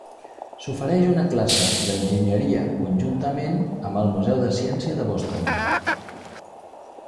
S'ofereix una classe d'enginyeria conjuntament amb el Museu de Ciència de Boston.